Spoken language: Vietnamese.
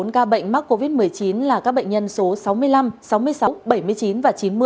bốn ca bệnh mắc covid một mươi chín là các bệnh nhân số sáu mươi năm sáu mươi sáu bảy mươi chín và chín mươi